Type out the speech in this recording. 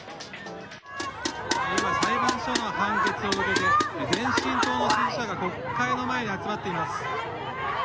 今、裁判所の判決を受けて前進党の支援者が国会の前に集まっています。